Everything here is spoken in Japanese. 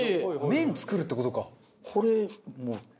麺作るって事か。